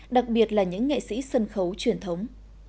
đặc biệt là những nghệ sĩ sân khấu truyền thống